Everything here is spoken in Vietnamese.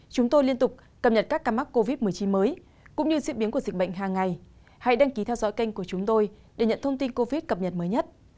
các bạn hãy đăng ký kênh của chúng tôi để nhận thông tin cập nhật mới nhất